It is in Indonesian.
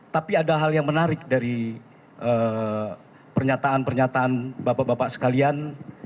tapi ada hal yang menarik dari pernyataan pernyataan bapak bapak sekalian